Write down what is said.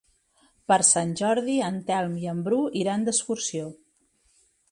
Per Sant Jordi en Telm i en Bru iran d'excursió.